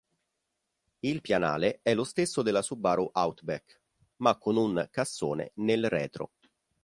Il pianale è lo stesso della Subaru Outback, ma con un cassone nel retro.